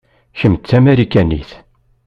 Kemm d tamarikanit.